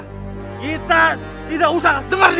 kita tidak usah dengar